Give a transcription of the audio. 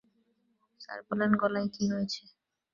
Sir বললেন, গলায় কি হয়েছে।